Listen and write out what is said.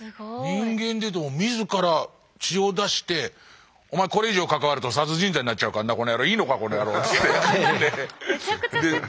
人間でいうと自ら血を出して「お前これ以上関わると殺人罪になっちゃうからなこの野郎！いいのかこの野郎！」つって。